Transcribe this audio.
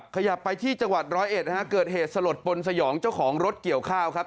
ขยับไปที่จังหวัดร้อยเอ็ดนะฮะเกิดเหตุสลดปนสยองเจ้าของรถเกี่ยวข้าวครับ